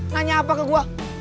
nanya apa ke gua